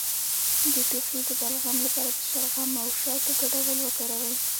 د ټوخي د بلغم لپاره د شلغم او شاتو ګډول وکاروئ